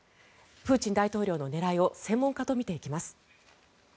プーチン大統領の狙いを専門家と見ていきます。